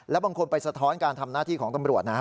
แล้วบางคนไปสะท้อนการทำหน้าที่ของตำรวจนะครับ